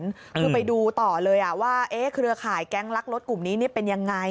คือไปดูต่อเลยว่าเครือข่ายแก๊งลักรถกลุ่มนี้เป็นยังไง